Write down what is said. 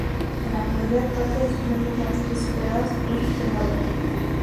En la actualidad parte de sus restos han sido recuperados y puestos en valor.